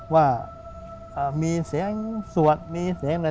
ว่ามีเสียงสวดมีเสียงอะไร